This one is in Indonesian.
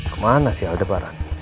kemana sih aldebaran